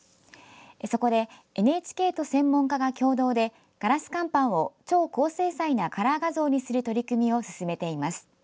そこで、ＮＨＫと専門家が共同でガラス乾板を超高精細なカラー画像にする取り組みを進めています。